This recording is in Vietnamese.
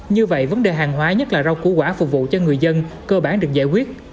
như vậy vấn đề hàng hóa nhất là rau củ quả phục vụ cho người dân cơ bản được giải quyết